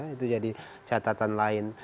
itu jadi catatan lain